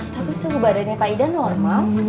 tapi suhu badannya pak ida normal